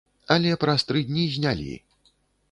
Але праз тры дні знялі.